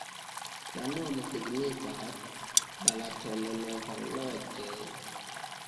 La nomo signifas: Balatono-nova-loĝej'.